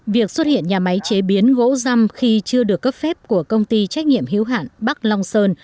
việc xuất hiện nhà máy chế biến gỗ răm khi chưa được cấp phép của công ty trách nhiệm hiếu hạn bắc long sơn